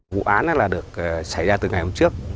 vụ án là được xảy ra từ ngày hôm trước